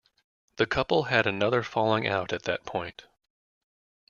The couple had another falling out at that point.